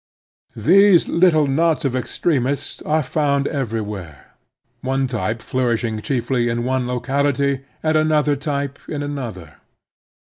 These little knots of extremists are found everywhere, one type flourishing chiefly in one locality and another type in another.